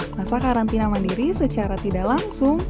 masa karantina mandiri secara tidak langsung